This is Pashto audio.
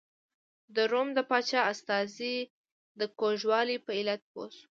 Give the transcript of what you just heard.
د روم د پاچا استازی د کوږوالي په علت پوه شو.